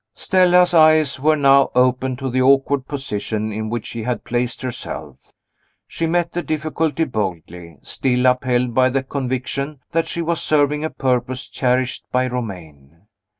Stella's eyes were now open to the awkward position in which she had placed herself. She met the difficulty boldly, still upheld by the conviction that she was serving a purpose cherished by Romayne.